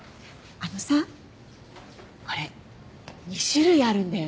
あのさこれ２種類あるんだよね。